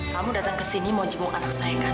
kamu datang kesini mau jenguk anak saya kan